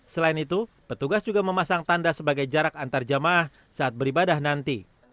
selain itu petugas juga memasang tanda sebagai jarak antar jamaah saat beribadah nanti